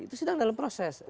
itu sedang dalam proses